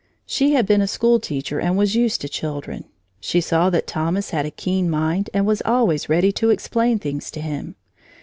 She had been a school teacher and was used to children. She saw that Thomas had a keen mind and was always ready to explain things to him.